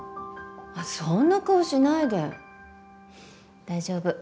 そんな顔しないで、大丈夫。